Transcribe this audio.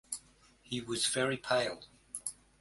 He was very pale.